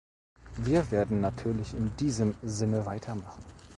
Wir werden natürlich in diesem Sinne weitermachen.